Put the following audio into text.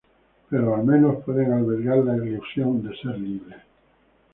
Pero al menos pueden albergar la ilusión de ser libres.